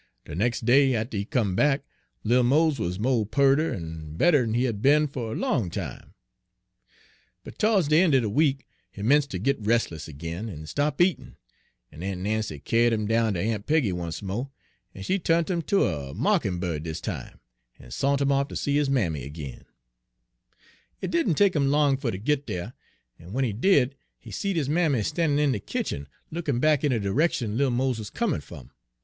"De nex' day atter he come back, little Mose wuz mo' pearter en better'n he had be'n fer a long time. But to'ds de een' er de week he 'mence' ter git res'less ag'in, en stop' eatin', en Aun' Nancy kyared 'im down ter Aun' Peggy once mo', en she tu'nt 'im ter a mawkin' bird dis time, en sont 'im off ter see his mammy ag'in. "It didn' take him long fer ter git dere, en w'en he did, he seed his mammy standin' in de kitchen, lookin' back in de d'rection little Mose wuz comin' fum.